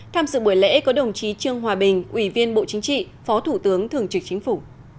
tham dự buổi lễ có đồng chí trương hòa bình ủy viên bộ chính trị phó thủ tướng thường trực chính phủ